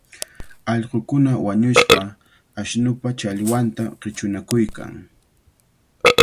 Allqukuna wañushqa ashnupa chakallwanta qichunakuykan.